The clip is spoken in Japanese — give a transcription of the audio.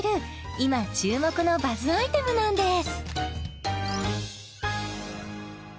今注目のバズアイテムなんです